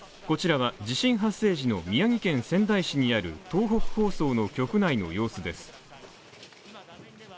こちらは、地震発生時の宮城県仙台市にある東北放送の局内の様子です。